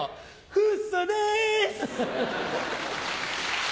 フッソです！